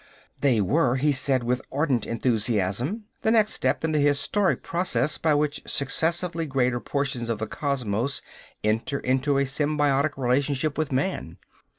They were, he said with ardent enthusiasm, the next step in the historic process by which successively greater portions of the cosmos enter into a symbiotic relationship with man.